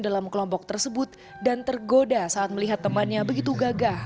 dalam kelompok tersebut dan tergoda saat melihat temannya begitu gagah